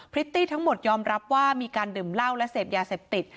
ิตตี้ทั้งหมดยอมรับว่ามีการดื่มเหล้าและเสพยาเสพติด